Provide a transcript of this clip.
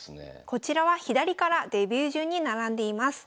こちらは左からデビュー順に並んでいます。